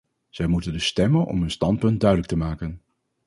Zij moeten dus stemmen om hun standpunt duidelijk te maken.